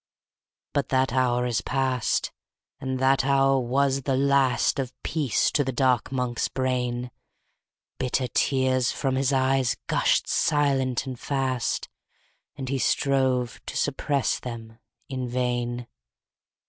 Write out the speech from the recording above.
_15 3. But that hour is past; And that hour was the last Of peace to the dark Monk's brain. Bitter tears, from his eyes, gushed silent and fast; And he strove to suppress them in vain.